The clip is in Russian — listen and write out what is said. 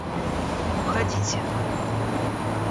– Уходите!..